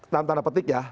tanpa ada petik ya